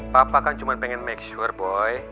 papa kan cuma pengen make super boy